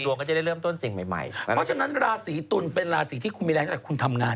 ปีที่ผ่านมาก็อุ่นวายเพราะว่า